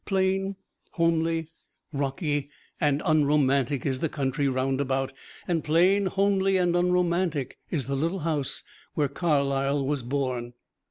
Plain, homely, rocky and unromantic is the country round about, and plain, homely and unromantic is the little house where Carlyle was born.